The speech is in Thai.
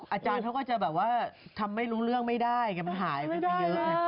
อาจารย์เขาก็จะแบบว่าทำไม่รู้เรื่องไม่ได้ไงมันหายไปเยอะไง